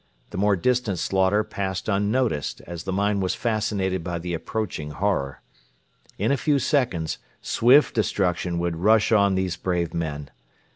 The more distant slaughter passed unnoticed, as the mind was fascinated by the approaching horror. In a few seconds swift destruction would rush on these brave men.